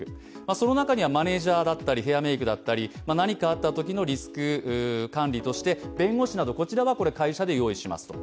その中にはマネージャーだったりヘアメイクだったり何かあったときのリスク管理として弁護士など、こちらは会社で用意しますと。